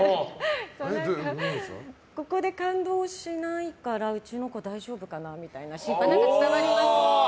ここで感動しないからうちの子、大丈夫かなみたいな心配。